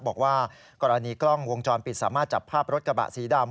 บอกว่ากรณีกล้องวงจรปิดสามารถจับภาพรถกระบะสีดำ